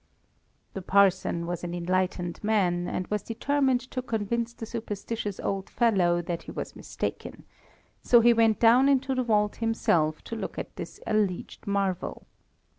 "The parson was an enlightened man, and was determined to convince the superstitious old fellow that he was mistaken, so he went down into the vault himself to look at this alleged marvel.